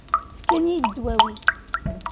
Fkan-iyi-d ddwawi.